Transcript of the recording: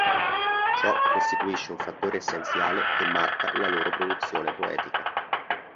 Ciò costituisce un fattore essenziale che marca la loro produzione poetica.